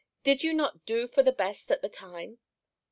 Did you not do for the best at the time?